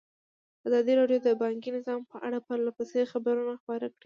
ازادي راډیو د بانکي نظام په اړه پرله پسې خبرونه خپاره کړي.